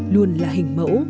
luôn là hình mẫu